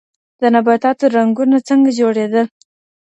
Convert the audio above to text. د نباتاتو رنګونه څنګه جوړېدل؟